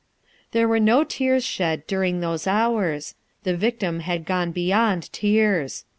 There were no tears shed during those hours. The victim had gone beyond tears.